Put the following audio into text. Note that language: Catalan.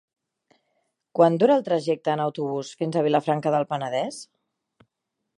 Quant dura el trajecte en autobús fins a Vilafranca del Penedès?